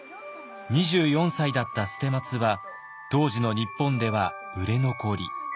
２４歳だった捨松は当時の日本では売れ残り。